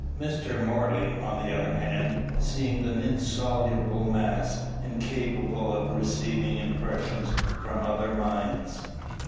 Mr. Morley, on the other hand, seemed an insoluble mass, incapable of receiving impressions from other minds.